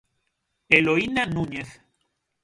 Eloína Núñez.